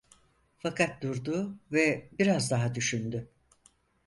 Fakat durdu ve biraz daha düşündü...